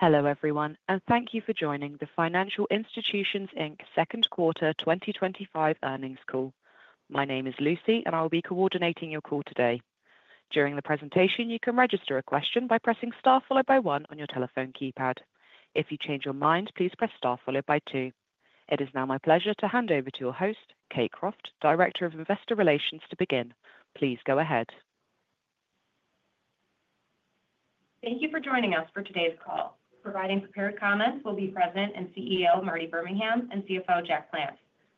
Hello everyone, and thank you for joining the Financial Institutions Inc Second Quarter 2025 earnings call. My name is Lucy, and I'll be coordinating your call today. During the presentation, you can register a question by pressing star followed by 1 on your telephone keypad. If you change your mind, please press star followed by 2. It is now my pleasure to hand over to your host, Kate Croft, Director of Investor Relations, to begin. Please go ahead. Thank you for joining us for today's call. Providing prepared comments will be President and CEO Martin Birmingham and CFO Jack Plants.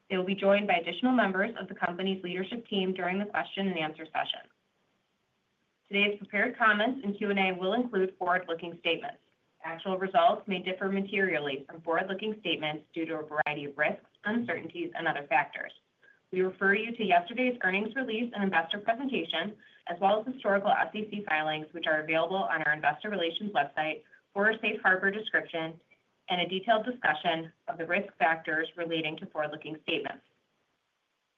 They will be joined by additional members of the company's leadership team during the question and answer session. Today's prepared comments and Q&A will include forward-looking statements. Actual results may differ materially from forward-looking statements due to a variety of risks, uncertainties, and other factors. We refer you to yesterday's earnings release and investor presentation, as well as historical SEC filings, which are available on our Investor Relations website, for a safe harbor description and a detailed discussion of the risk factors relating to forward-looking statements.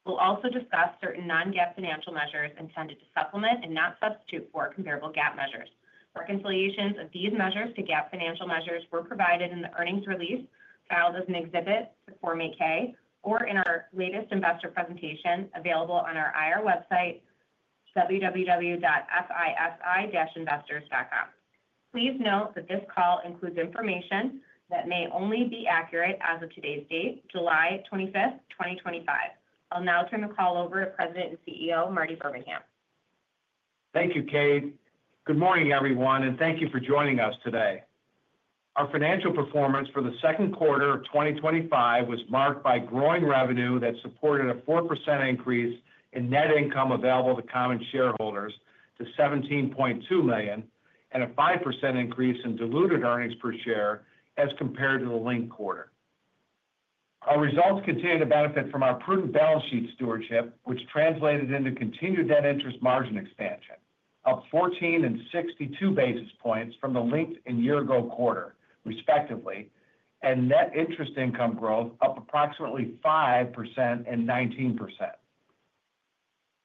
We'll also discuss certain non-GAAP financial measures intended to supplement and not substitute for comparable GAAP measures. Reconciliations of these measures to GAAP financial measures were provided in the earnings release filed as an exhibit in Form 8-K or in our latest investor presentation available on our IR website, www.fii-investors.com. Please note that this call includes information that may only be accurate as of today's date, July 25th 2025. I'll now turn the call over to President and CEO Martin Birmingham. Thank you, Kate. Good morning, everyone, and thank you for joining us today. Our financial performance for the second quarter of 2025 was marked by growing revenue that supported a 4% increase in net income available to common shareholders to $17.2 million and a 5% increase in diluted earnings per share as compared to the linked quarter. Our results continue to benefit from our prudent balance sheet stewardship, which translated into continued net interest margin expansion, up 14 and 62 basis points from the linked and year-ago quarter, respectively, and net interest income growth up approximately 5% and 19%.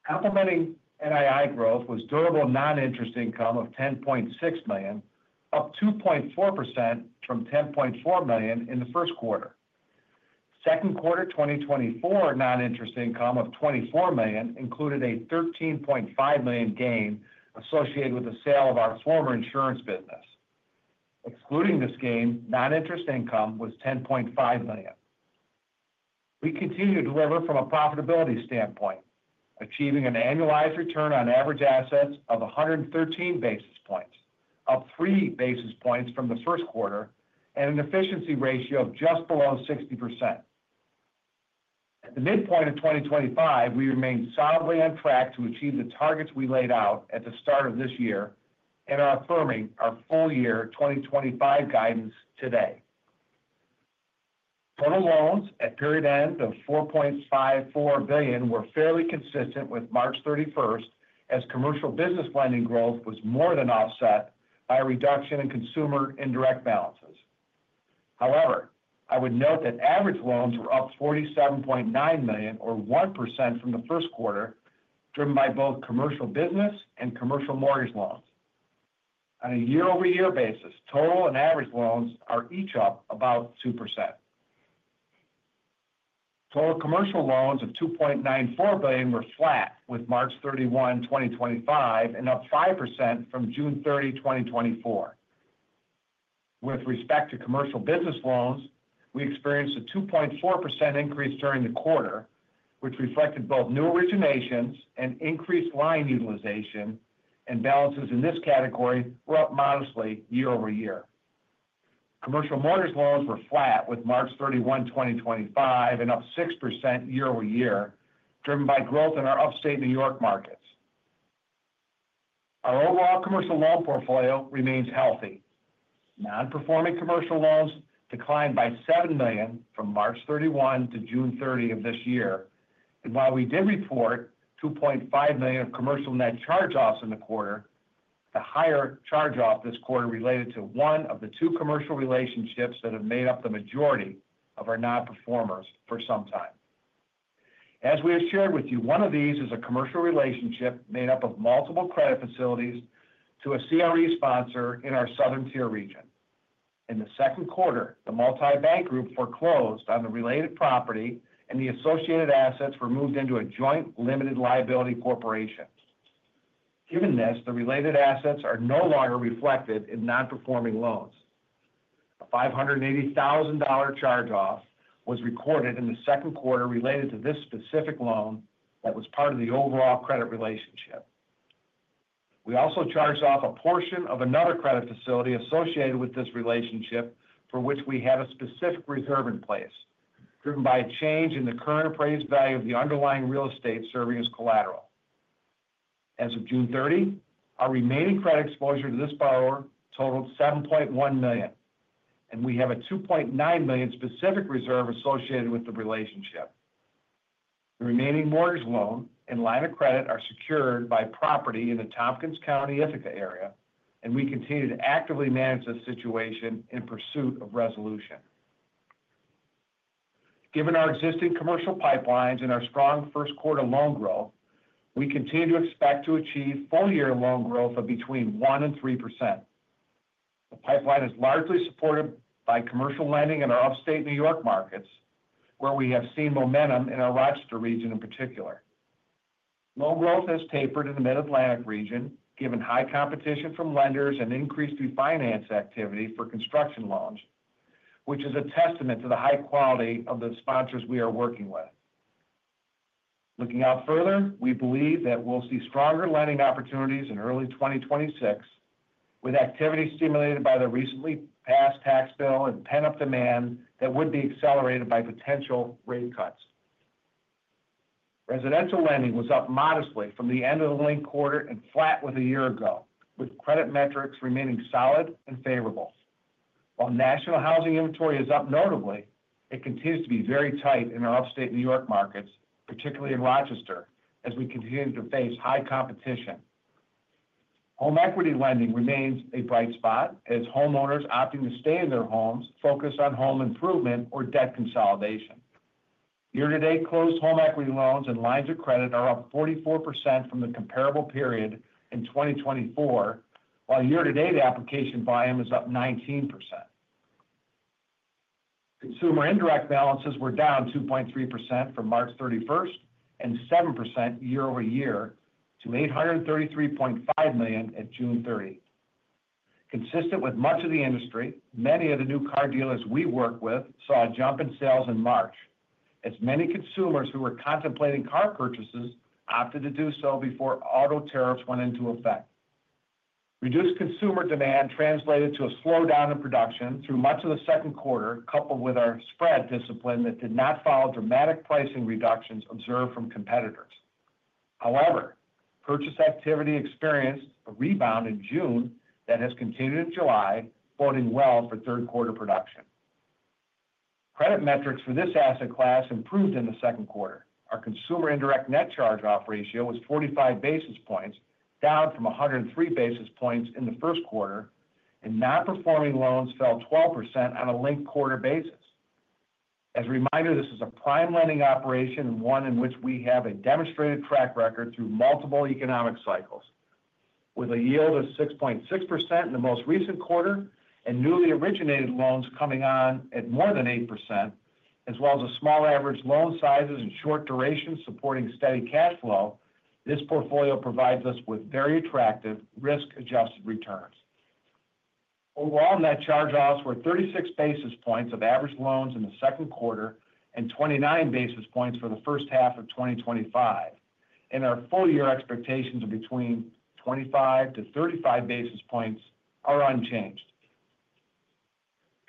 Complementing NII growth was durable non-interest income of $10.6 million, up 2.4% from $10.4 million in the first quarter. Second quarter 2024 non-interest income of $24 million included a $13.5 million gain associated with the sale of our former insurance business. Excluding this gain, non-interest income was $10.5 million. We continue to deliver from a profitability standpoint, achieving an annualized return on average assets of 113 basis points, up 3 basis points from the first quarter, and an efficiency ratio of just below 60%. At the midpoint of 2025, we remain solidly on track to achieve the targets we laid out at the start of this year and are affirming our full-year 2025 guidance today. Total loans at period end of $4.54 billion were fairly consistent with March 31st, as commercial business lending growth was more than offset by a reduction in consumer indirect balances. However, I would note that average loans were up $47.9 million, or 1% from the first quarter, driven by both commercial business and commercial mortgage loans. On a year-over-year basis, total and average loans are each up about 2%. Total commercial loans of $2.94 billion were flat with March 31, 2025, and up 5% from June 30, 2024. With respect to commercial business loans, we experienced a 2.4% increase during the quarter, which reflected both new originations and increased line utilization, and balances in this category were up modestly year over year. Commercial mortgage loans were flat with March 31, 2025, and up 6% year-over-year, driven by growth in our upstate New York markets. Our overall commercial loan portfolio remains healthy. Non-performing commercial loans declined by $7 million from March 31 to June 30 of this year, and while we did report $2.5 million of commercial net charge-offs in the quarter, the higher charge-off this quarter related to one of the two commercial relationships that have made up the majority of our non-performers for some time. As we have shared with you, one of these is a commercial relationship made up of multiple credit facilities to a CRE sponsor in our Southern Tier region. In the second quarter, the multi-bank group foreclosed on the related property, and the associated assets were moved into a joint limited liability corporation. Given this, the related assets are no longer reflected in non-performing loans. A $580,000 charge-off was recorded in the second quarter related to this specific loan that was part of the overall credit relationship. We also charged off a portion of another credit facility associated with this relationship for which we had a specific reserve in place, driven by a change in the current appraised value of the underlying real estate serving as collateral. As of June 30, our remaining credit exposure to this borrower totaled $7.1 million, and we have a $2.9 million specific reserve associated with the relationship. The remaining mortgage loan and line of credit are secured by property in the Tompkins County, Ithaca area, and we continue to actively manage this situation in pursuit of resolution. Given our existing commercial pipelines and our strong first quarter loan growth, we continue to expect to achieve full-year loan growth of between 1% and 3%. The pipeline is largely supported by commercial lending in our upstate New York markets, where we have seen momentum in our Rochester region in particular. Loan growth has tapered in the Mid-Atlantic region, given high competition from lenders and increased refinance activity for construction loans, which is a testament to the high quality of the sponsors we are working with. Looking out further, we believe that we'll see stronger lending opportunities in early 2026, with activity stimulated by the recently passed tax bill and pent-up demand that would be accelerated by potential rate cuts. Residential lending was up modestly from the end of the linked quarter and flat with a year ago, with credit metrics remaining solid and favorable. While national housing inventory is up notably, it continues to be very tight in our upstate New York markets, particularly in Rochester, as we continue to face high competition. Home equity lending remains a bright spot, as homeowners opting to stay in their homes focus on home improvement or debt consolidation. Year-to-date closed home equity loans and lines of credit are up 44% from the comparable period in 2024, while year-to-date application volume is up 19%. Consumer indirect balances were down 2.3% from March 31st and 7% year-over-year to $833.5 million at June 30. Consistent with much of the industry, many of the new car dealers we work with saw a jump in sales in March, as many consumers who were contemplating car purchases opted to do so before auto tariffs went into effect. Reduced consumer demand translated to a slowdown in production through much of the second quarter, coupled with our spread discipline that did not follow dramatic pricing reductions observed from competitors. However, purchase activity experienced a rebound in June that has continued in July, quoting well for third quarter production. Credit metrics for this asset class improved in the second quarter. Our consumer indirect net charge-off ratio was 45 basis points, down from 103 basis points in the first quarter, and non-performing loans fell 12% on a linked quarter basis. As a reminder, this is a prime lending operation and one in which we have a demonstrated track record through multiple economic cycles. With a yield of 6.6% in the most recent quarter and newly originated loans coming on at more than 8%, as well as small average loan sizes and short durations supporting steady cash flow, this portfolio provides us with very attractive risk-adjusted returns. Overall, net charge-offs were 36 basis points of average loans in the second quarter and 29 basis points for the first half of 2025, and our full-year expectations of between 25 to 35 basis points are unchanged.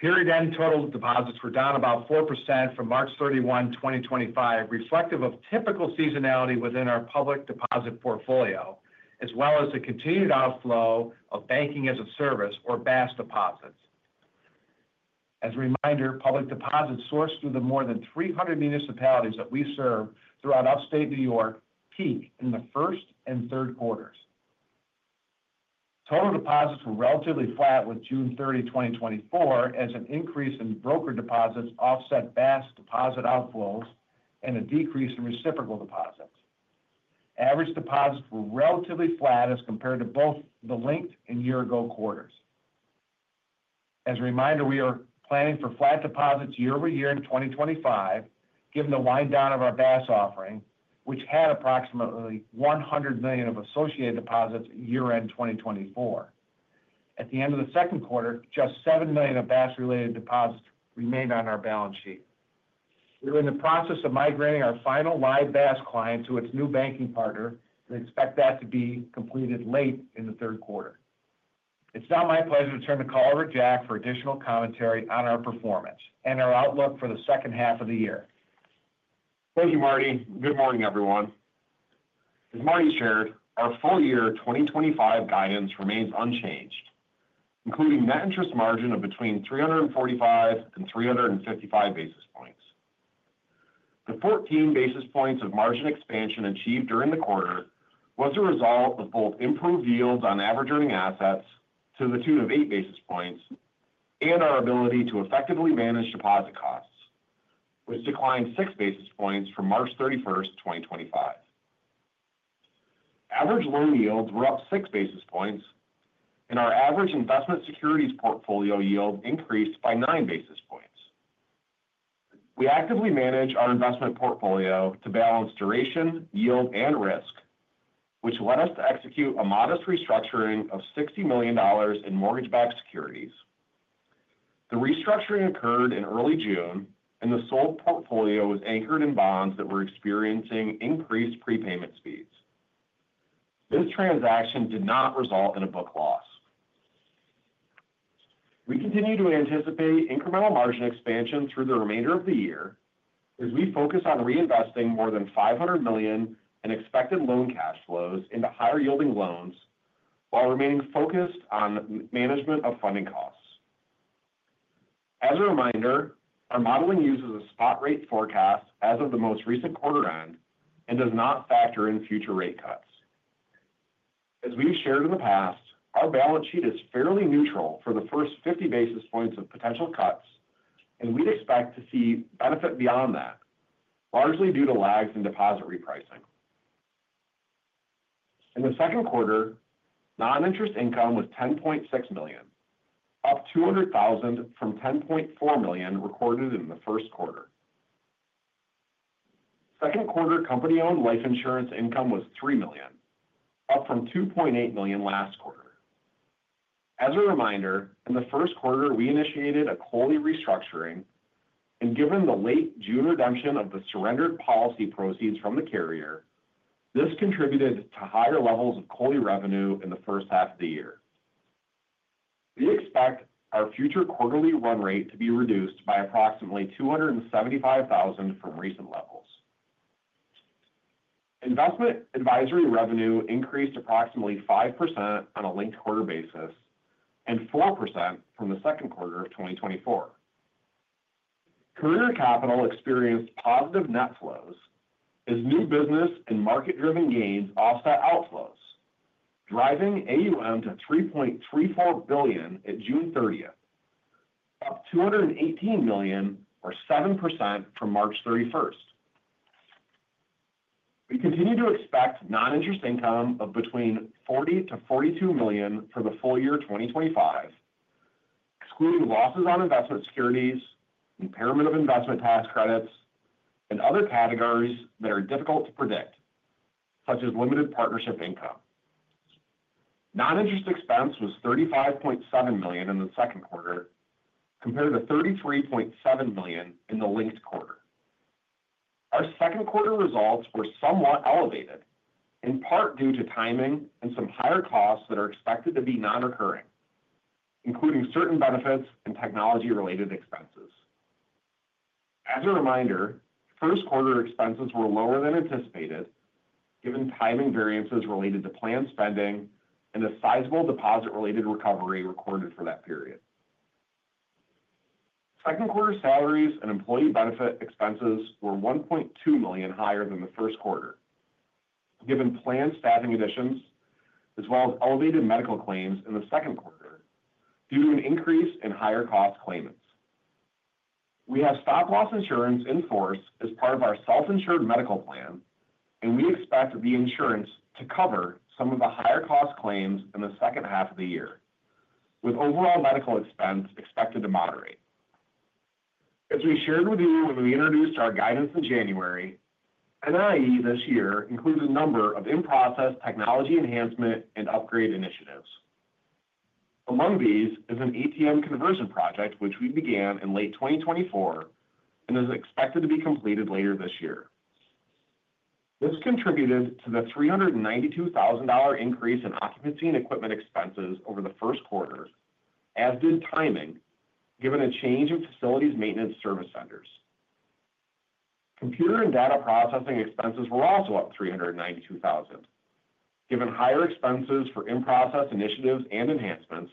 Period end total deposits were down about 4% from March 31, 2025, reflective of typical seasonality within our public deposit portfolio, as well as the continued outflow of banking as a service, or BAS deposits. As a reminder, public deposits sourced through the more than 300 municipalities that we serve throughout upstate New York peaked in the first and third quarters. Total deposits were relatively flat with June 30, 2024, as an increase in broker deposits offset BAS deposit outflows and a decrease in reciprocal deposits. Average deposits were relatively flat as compared to both the linked and year-ago quarters. As a reminder, we are planning for flat deposits year over year in 2025, given the wind-down of our BAS offering, which had approximately $100 million of associated deposits year-end 2024. At the end of the second quarter, just $7 million of BAS-related deposits remained on our balance sheet. We are in the process of migrating our final live BAS client to its new banking partner and expect that to be completed late in the third quarter. It's now my pleasure to turn the call over to Jack for additional commentary on our performance and our outlook for the second half of the year. Thank you, Martin. Good morning, everyone. As Martin shared, our full-year 2025 guidance remains unchanged, including net interest margin of between 345 and 355 basis points. The 14 basis points of margin expansion achieved during the quarter was a result of both improved yields on average earning assets to the tune of 8 basis points and our ability to effectively manage deposit costs, which declined 6 basis points from March 31st, 2025. Average loan yields were up 6 basis points, and our average investment securities portfolio yield increased by 9 basis points. We actively manage our investment portfolio to balance duration, yield, and risk, which led us to execute a modest restructuring of $60 million in mortgage-backed securities. The restructuring occurred in early June, and the sold portfolio was anchored in bonds that were experiencing increased prepayment speeds. This transaction did not result in a book loss. We continue to anticipate incremental margin expansion through the remainder of the year as we focus on reinvesting more than $500 million in expected loan cash flows into higher yielding loans while remaining focused on the management of funding costs. As a reminder, our modeling uses a spot rate forecast as of the most recent quarter end and does not factor in future rate cuts. As we've shared in the past, our balance sheet is fairly neutral for the first 50 basis points of potential cuts, and we expect to see benefit beyond that, largely due to lags in deposit repricing. In the second quarter, non-interest income was $10.6 million, up $200,000 from $10.4 million recorded in the first quarter. Second quarter, company-owned life insurance income was $3 million, up from $2.8 million last quarter. As a reminder, in the first quarter, we initiated a quarterly restructuring, and given the late June redemption of the surrendered policy proceeds from the carrier, this contributed to higher levels of quarterly revenue in the first half of the year. We expect our future quarterly run rate to be reduced by approximately $275,000 from recent levels. Investment advisory revenue increased approximately 5% on a linked quarter basis and 4% from the second quarter of 2024. Career capital experienced positive net flows as new business and market-driven gains offset outflows, driving AUM to $3.34 billion at June 30th, $218 million, or 7%, from March 31st. We continue to expect non-interest income of between $40 to $42 million for the full year 2025, excluding losses on investment securities, impairment of investment tax credits, and other categories that are difficult to predict, such as limited partnership income. Non-interest expense was $35.7 million in the second quarter, compared to $33.7 million in the linked quarter. Our second quarter results were somewhat elevated, in part due to timing and some higher costs that are expected to be non-recurring, including certain benefits and technology-related expenses. As a reminder, first quarter expenses were lower than anticipated, given timing variances related to planned spending and a sizable deposit-related recovery recorded for that period. Second quarter salaries and employee benefit expenses were $1.2 million higher than the first quarter, given planned staffing additions, as well as elevated medical claims in the second quarter, due to an increase in higher cost claimants. We have stop-loss insurance in force as part of our self-insured medical plan, and we expect the insurance to cover some of the higher cost claims in the second half of the year, with overall medical expense expected to moderate. As we shared with you when we introduced our guidance in January, non-interest expense this year includes a number of in-process technology enhancement and upgrade initiatives. Among these is an ATM conversion project, which we began in late 2024 and is expected to be completed later this year. This contributed to the $392,000 increase in occupancy and equipment expenses over the first quarter, as did timing, given a change in facilities maintenance service centers. Computer and data processing expenses were also at $392,000, given higher expenses for in-process initiatives and enhancements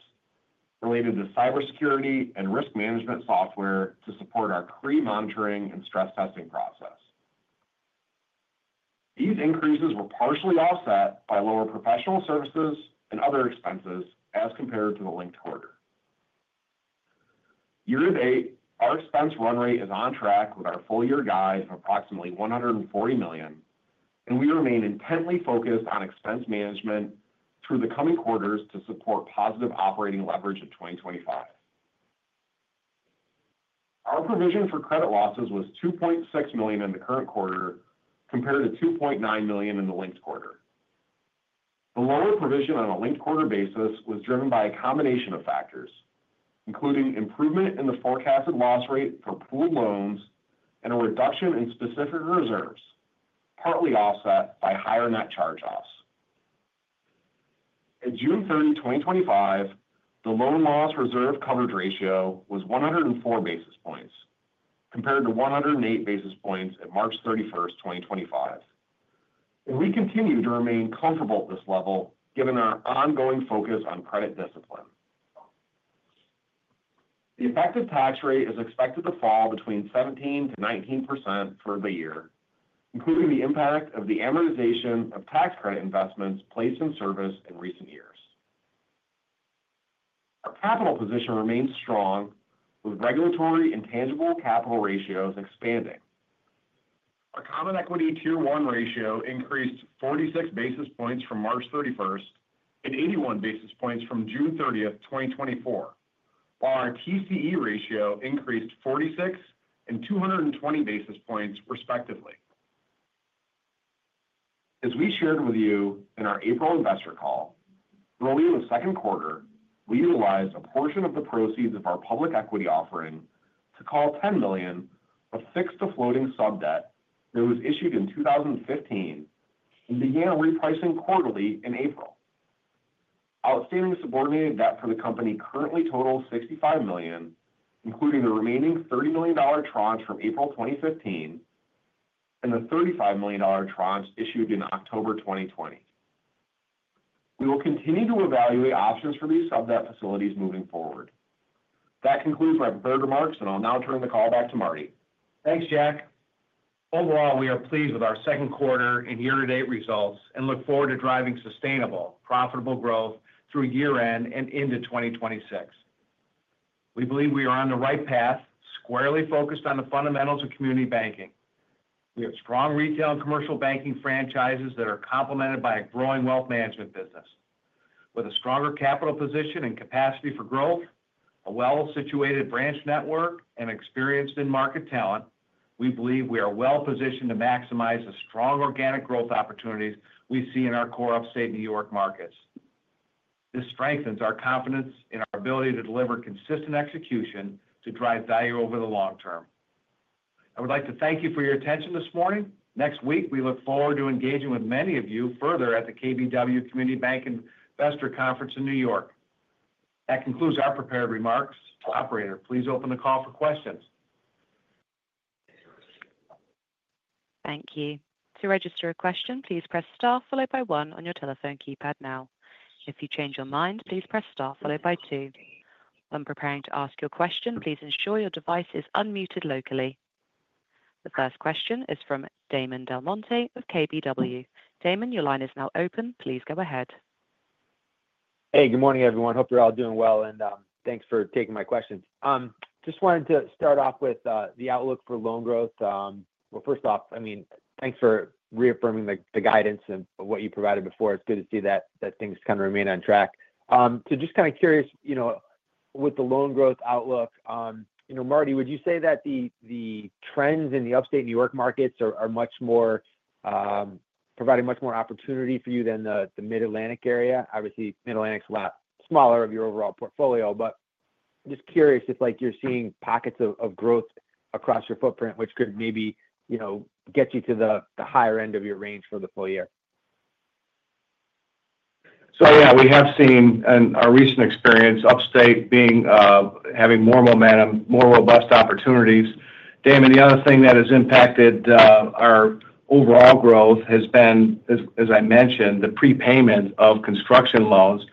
related to cybersecurity and risk management software to support our pre-monitoring and stress testing process. These increases were partially offset by lower professional services and other expenses as compared to the linked quarter. Year-to-date, our expense run rate is on track with our full-year guide of approximately $140 million, and we remain intently focused on expense management through the coming quarters to support positive operating leverage in 2025. Our provision for credit losses was $2.6 million in the current quarter, compared to $2.9 million in the linked quarter. The lower provision on a linked quarter basis was driven by a combination of factors, including improvement in the forecasted loss rate for pooled loans and a reduction in specific reserves, partly offset by higher net charge-offs. At June 30, 2025, the loan loss reserve coverage ratio was 104 basis points, compared to 108 basis points at March 31st, 2025. We continue to remain comfortable at this level, given our ongoing focus on credit discipline. The effective tax rate is expected to fall between 17% to 19% for the year, including the impact of the amortization of tax credit investments placed in service in recent years. Our capital position remains strong, with regulatory intangible capital ratios expanding. Our common equity two-to-one ratio increased 46 basis points from March 31st and 81 basis points from June 30th, 2024, while our TCE ratio increased 46 and 220 basis points, respectively. As we shared with you in our April investor call, early in the second quarter, we utilized a portion of the proceeds of our public equity offering to call $10 million to fix the floating sub-debt that was issued in 2015 and began repricing quarterly in April. Outstanding subordinated debt for the company currently totals $65 million, including the remaining $30 million tranche from April 2015 and the $35 million tranche issued in October 2020. We will continue to evaluate options for these sub-debt facilities moving forward. That concludes my prepared remarks, and I'll now turn the call back to Martin. Thanks, Jack. Overall, we are pleased with our second quarter and year-to-date results and look forward to driving sustainable, profitable growth through year-end and into 2026. We believe we are on the right path, squarely focused on the fundamentals of community banking. We have strong retail and commercial banking franchises that are complemented by a growing wealth management business. With a stronger capital position and capacity for growth, a well-situated branch network, and experienced in-market talent, we believe we are well positioned to maximize the strong organic growth opportunities we see in our core upstate New York markets. This strengthens our confidence in our ability to deliver consistent execution to drive value over the long term. I would like to thank you for your attention this morning. Next week, we look forward to engaging with many of you further at the KBW Community Bank Investor Conference in New York. That concludes our prepared remarks. Operator, please open the call for questions. Thank you. To register a question, please press followed by 1 on your telephone keypad now. If you change your mind, please press followed by 2. When preparing to ask your question, please ensure your device is unmuted locally. The first question is from Damon DelMonte of KBW. Damon, your line is now open. Please go ahead. Hey, good morning, everyone. Hope you're all doing well and thanks for taking my question. I just wanted to start off with the outlook for loan growth. Thanks for reaffirming the guidance and what you provided before. It's good to see that things kind of remain on track. Just kind of curious, you know, with the loan growth outlook, you know, Martin, would you say that the trends in the upstate New York markets are providing much more opportunity for you than the Mid-Atlantic area? Obviously, Mid-Atlantic's a lot smaller of your overall portfolio, but just curious if you're seeing pockets of growth across your footprint, which could maybe get you to the higher end of your range for the full year. Yeah, we have seen in our recent experience upstate being, having more momentum, more robust opportunities. Damon, the other thing that has impacted our overall growth has been, as I mentioned, the prepayment of construction loans,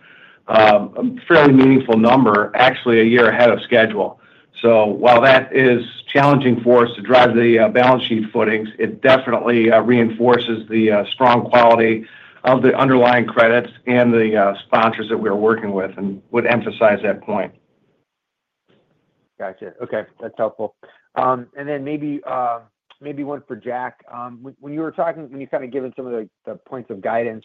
a fairly meaningful number, actually a year ahead of schedule. While that is challenging for us to drive the balance sheet footings, it definitely reinforces the strong quality of the underlying credits and the sponsors that we are working with and would emphasize that point. Gotcha. Okay. That's helpful. Maybe one for Jack. When you were talking, when you kind of given some of the points of guidance,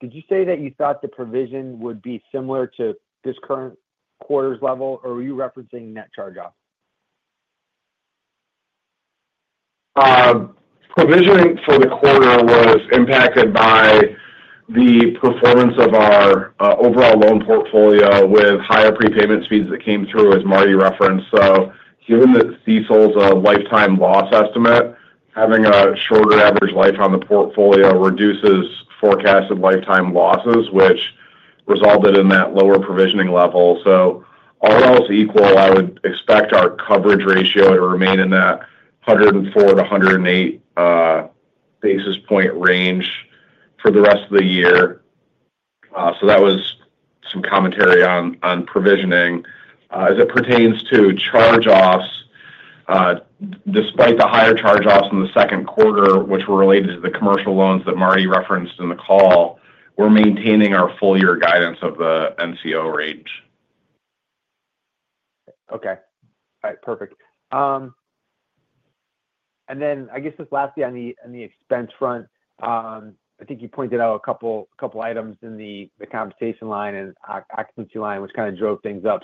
did you say that you thought the provision would be similar to this current quarter's level, or were you referencing net charge-off? Provisioning for the quarter was impacted by the performance of our overall loan portfolio, with higher prepayment speeds that came through, as Martin referenced. Given that the CFO is a lifetime loss estimate, having a shorter average life on the portfolio reduces forecasted lifetime losses, which resulted in that lower provisioning level. All else equal, I would expect our coverage ratio to remain in that 104 to 108 basis point range for the rest of the year. That was some commentary on provisioning. As it pertains to charge-offs, despite the higher charge-offs in the second quarter, which were related to the commercial loans that Martin referenced in the call, we're maintaining our full-year guidance of the NCO range. Okay. All right. Perfect. Lastly, on the expense front, I think you pointed out a couple of items in the compensation line and occupancy line, which kind of drove things up.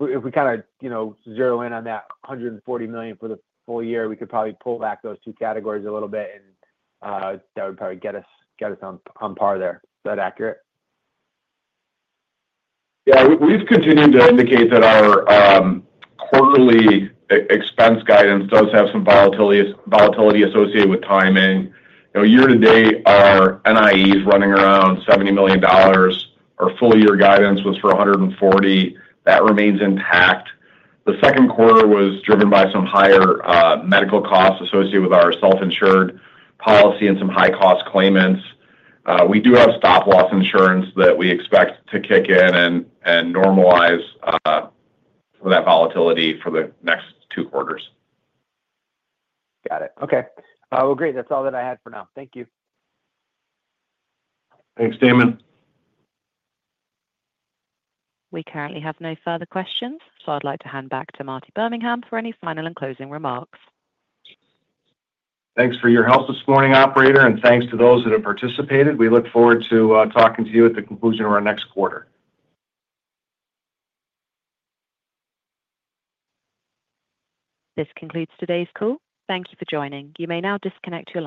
If we kind of zero in on that $140 million for the full year, we could probably pull back those two categories a little bit, and that would probably get us on par there. Is that accurate? Yeah. We've continued to indicate that our quarterly expense guidance does have some volatility associated with timing. Year-to-date, our NIE is running around $70 million. Our full-year guidance was for $140 million. That remains intact. The second quarter was driven by some higher medical costs associated with our self-insured policy and some high-cost claimants. We do have stop-loss insurance that we expect to kick in and normalize that volatility for the next two quarters. Got it. Okay. That's all that I had for now. Thank you. Thanks, Damon. We currently have no further questions, so I'd like to hand back to Marty Birmingham for any final and closing remarks. Thanks for your help this morning, Operator, and thanks to those that have participated. We look forward to talking to you at the conclusion of our next quarter. This concludes today's call. Thank you for joining. You may now disconnect your line.